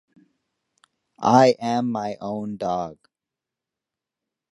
I am my own dog.